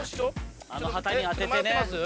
・あの旗に当ててね。